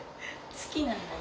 好きなんだね。